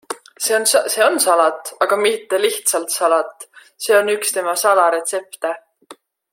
See on salat, aga mitte lihtsalt salat - see on üks tema salaretsepte.